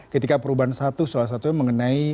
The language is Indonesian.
ketika perubahan satu salah satunya mengenai